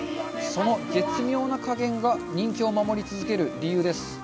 その絶妙なかげんが人気を守り続ける理由です。